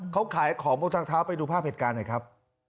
เขาขายของบนทางเท้าไปดูภาพเหตุการณ์หน่อยครับ